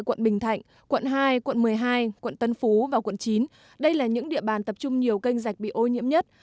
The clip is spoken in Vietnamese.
quận bình thạnh quận hai quận một mươi hai quận tân phú và quận chín đây là những địa bàn tập trung nhiều kênh dạch bị ô nhiễm nhất